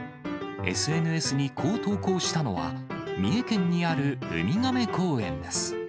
ＳＮＳにこう投稿したのは、三重県にあるウミガメ公園です。